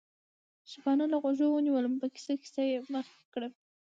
شپانه له غوږه ونیوم، په کیسه کیسه یې مخکې کړم.